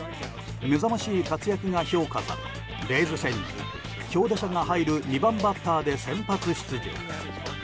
目覚ましい活躍が評価されレイズ戦に強打者が入る２番バッターで先発出場。